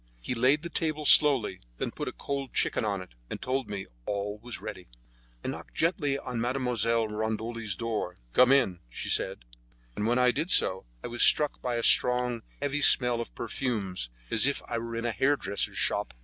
He laid the table slowly, then put a cold chicken on it, and told me that all was ready. I knocked gently at Mademoiselle Rondoli's door. "Come in," she said, and when I did so I was struck by a strong, heavy smell of perfumes, as if I were in a hairdresser's shop.